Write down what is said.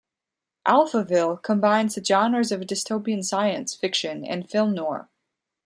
"Alphaville" combines the genres of dystopian science fiction and film noir.